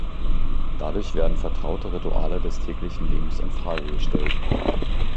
Dadurch werden vertraute Rituale des täglichen Lebens in Frage gestellt.